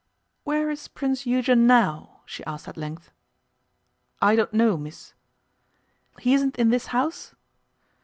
'Where is Prince Eugen now?' she asked at length. 'I don't know, miss.' 'He isn't in this house?